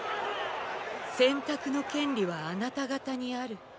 選択の権利はあなた方にある。